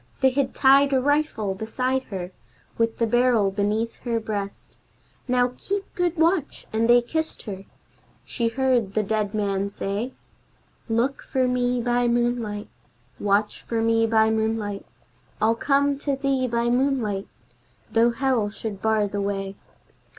They had tied a rifle beside her, with the barrel beneath her breast! "Now keep good watch!" and they kissed her. She heard the dead man say, "Look for me by moonlight, Watch for me by moonlight, I'll come to thee by moonlight, though Hell should bar the way."